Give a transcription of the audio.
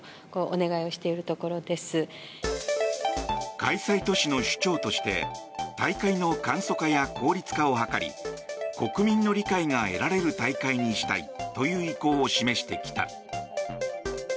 開催都市の首長として大会の簡素化や効率化を図り国民の理解が得られる大会にしたいという意向を示してきた。